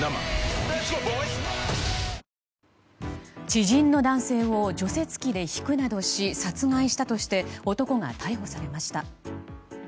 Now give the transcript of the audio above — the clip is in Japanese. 知人の男性を除雪機でひくなどし殺害したとして男が逮捕されました。